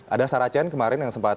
ada saracen kemarin yang sempat